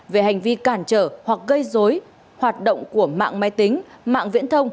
về hành vi cản trở hoặc gây dối hoạt động của mạng máy tính mạng viễn thông